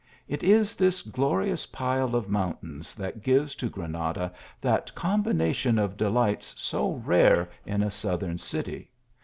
It is this glorious pile of mountains that gives to Granada that combina tion of delights so rare in a southern city.